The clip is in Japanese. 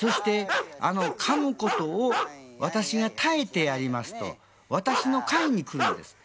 かむことを私が耐えてやりますと私の下位にくるんですね。